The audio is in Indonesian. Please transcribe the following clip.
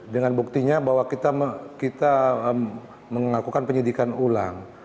dengan buktinya bahwa kita mengakukan penyidikan ulang